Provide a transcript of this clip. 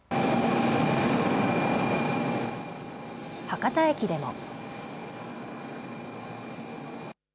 博多駅でも。